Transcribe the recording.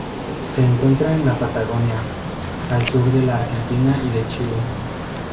Se encuentra en la Patagonia, al sur de la Argentina y de Chile.